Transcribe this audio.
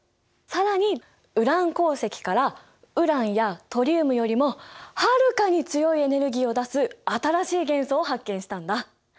更にウラン鉱石からウランやトリウムよりもはるかに強いエネルギーを出す新しい元素を発見したんだ。